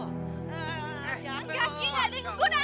jangan cik ga ada yang ngeguna lagi itu rom